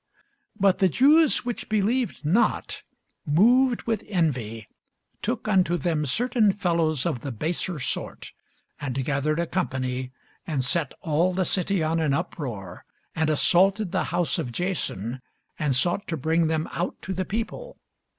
But the Jews which believed not, moved with envy, took unto them certain fellows of the baser sort, and gathered a company, and set all the city on an uproar, and assaulted the house of Jason, and sought to bring them out to the people.